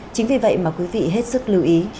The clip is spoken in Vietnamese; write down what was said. chính vì vậy mà quý vị hết sức lưu ý